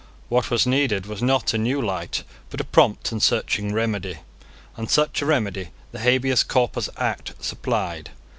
What was needed was not a new light, but a prompt and searching remedy; and such a remedy the Habeas Corpus Act supplied.